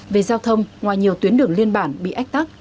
về giao thông ngoài nhiều tuyến đường liên bản bị ách tắc